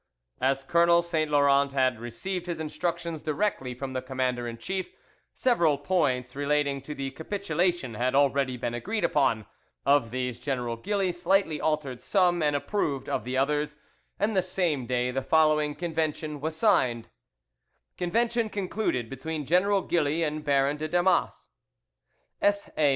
As Colonel Saint Laurent had received his instructions directly from the commander in chief, several points relating to the capitulation had already been agreed upon; of these General Gilly slightly altered some, and approved of the others, and the same day the following convention was signed: "Convention concluded between General Gilly and Baron de Damas "S.A.